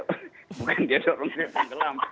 bukan dia dorong saya tenggelam